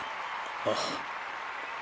ああ。